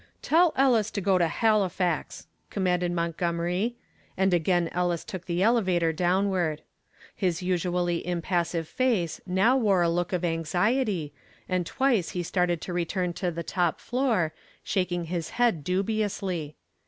"Tell Ellis to go to Halifax," commanded Montgomery, and again Ellis took the elevator downward. His usually impassive face now wore a look of anxiety, and twice he started to return to the top floor, shaking his head dubiously.